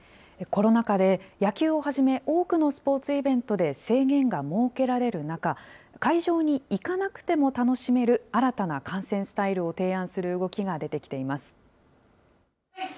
コロナ禍で野球をはじめ、多くのスポーツイベントで制限が設けられる中、会場に行かなくても楽しめる新たな観戦スタイルを提案する動きが出てきています。